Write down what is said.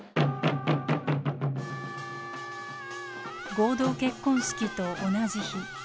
合同結婚式と同じ日。